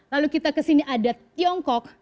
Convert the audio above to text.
lalu kita ke sini ada tiongkok